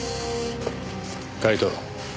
カイト。